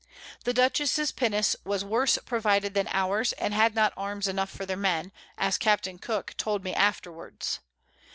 The Dutchess's Pinnace was worse provided than ours, and had not Arms enough for their Men, as Capt. Cooke told me afterwards.